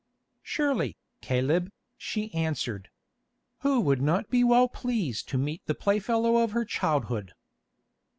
"Surely, Caleb," she answered. "Who would not be well pleased to meet the playfellow of her childhood?"